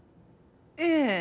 ええ。